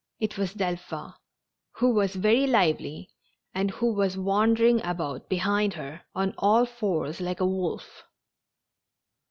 It was Delphin, who was very lively, and who was wandering about behind her, on all fours like a wolf.